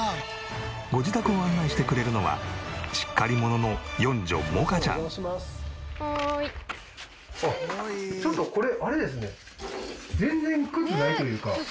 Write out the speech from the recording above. ご自宅を案内してくれるのはしっかり者のちょっとこれあれですね。